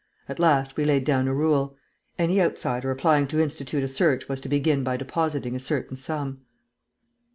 At last, we laid down a rule: any outsider applying to institute a search was to begin by depositing a certain sum."